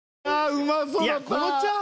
うまそうう